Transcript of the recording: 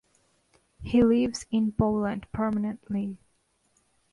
He lives in Poland permanently.